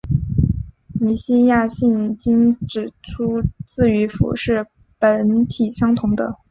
尼西亚信经指出子与父是本体相同的。